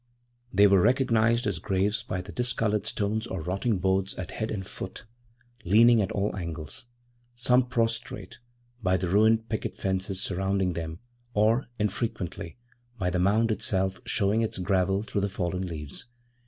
They were recognized as graves by the discoloured stones or rotting boards at head and foot, leaning at all angles, some prostrate; by the ruined picket fences surrounding them; or, infrequently, by the mound itself showing its gravel through the fallen leaves.